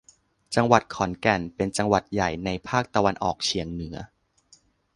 จังหวัดขอนแก่น เป็นจังหวัดใหญ่ในภาคตะวันออกเฉียงเหนือ